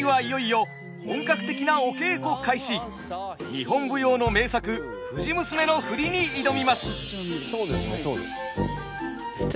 日本舞踊の名作「藤娘」の振りに挑みます。